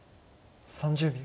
３０秒。